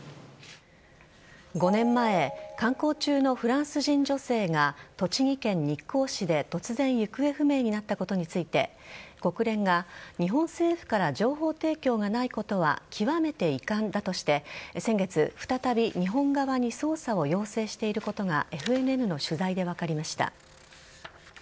５年前観光中のフランス人女性が栃木県日光市で突然行方不明になったことについて国連が、日本政府から情報提供がないことは極めて遺憾だとして先月、再び日本側に捜査を要請していることがＦＮＮの取材で分かりました。